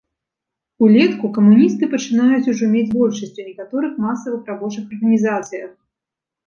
Улетку камуністы пачынаюць ужо мець большасць у некаторых масавых рабочых арганізацыях.